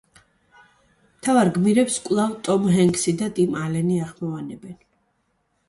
მთავარ გმირებს კვლავ ტომ ჰენქსი და ტიმ ალენი ახმოვანებენ.